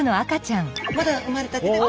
まだ生まれたてで。